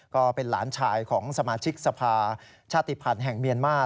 ก็เป็นหลานชายของสมาชิกสภาชาติภัณฑ์แห่งเมียนมาร์